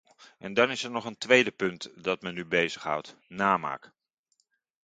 En dan is er nog een tweede punt dat me nu bezig houdt: namaak.